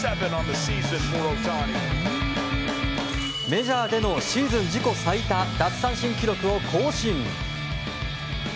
メジャーでのシーズン自己最多の奪三振記録を更新。